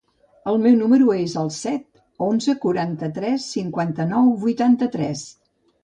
El meu número es el set, onze, quaranta-tres, cinquanta-nou, vuitanta-tres.